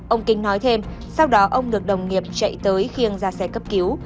ông kinh nói thêm sau đó ông được đồng nghiệp chạy tới khiêng ra xe cấp cứu